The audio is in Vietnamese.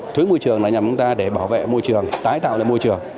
thuế môi trường là nhằm chúng ta để bảo vệ môi trường tái tạo ra môi trường